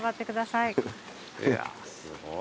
いやーすごい。